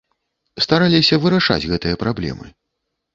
Стараліся вырашаць гэтыя праблемы.